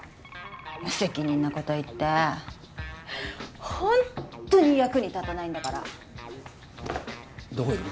無責任なこと言ってほんとに役に立たないんだからどこ行くの？